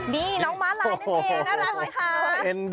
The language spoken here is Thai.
นี้น้องม้าลายนั่นเอง